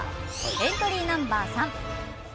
エントリーナンバー３。